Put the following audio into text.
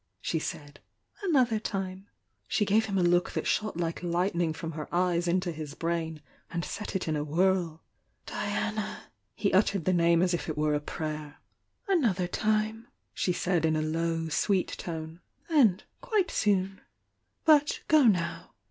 she said— "Another ime She gave him a look that shot like hghtnmg from her eyes into his brain, and set it in a whirl. "Diana!" He uttered the name as if it were a I»ayer. "Another time!" rfie said, in a low, sweet tone — "And — quite soon! But — go now!"